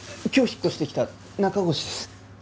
今日引っ越してきた中越です。